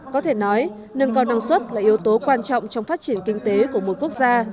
có thể nói nâng cao năng suất là yếu tố quan trọng trong phát triển kinh tế của một quốc gia